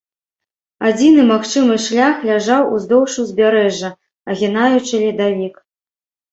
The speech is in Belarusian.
Адзіны магчымы шлях ляжаў уздоўж узбярэжжа, агінаючы ледавік.